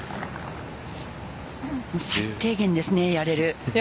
最低限ですね、やれる。